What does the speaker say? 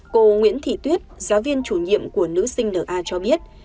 cô nguyễn thị tuyết giáo viên chủ nhiệm của nữ sinh na cho biết